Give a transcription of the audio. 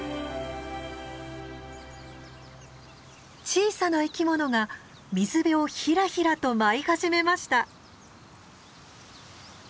小さな生きものが水辺をひらひらと舞い始めました。